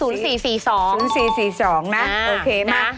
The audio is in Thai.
๐๔๔๒นะโอเคมาก